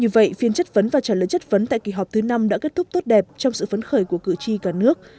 vì vậy phiên chất vấn và trả lời chất vấn tại kỳ họp thứ năm đã kết thúc tốt đẹp trong sự phấn khởi của cử tri cả nước